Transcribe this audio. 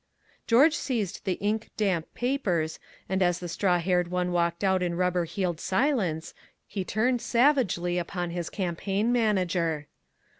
George seized the ink damp papers, and as the straw haired one walked out in rubber heeled silence he turned savagely upon his campaign manager.